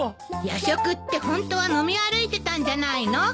夜食ってホントは飲み歩いてたんじゃないの？